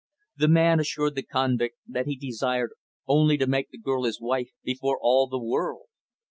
The man assured the convict that he desired only to make the girl his wife before all the world.